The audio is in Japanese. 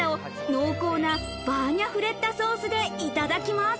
濃厚なバーニャフレッダソースでいただきます。